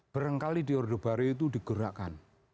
barangkali di orde baru itu digerakkan